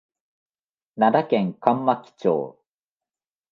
奈良県上牧町